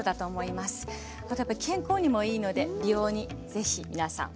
あとやっぱり健康にもいいので美容に是非皆さん。